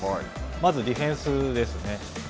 まずディフェンスですね。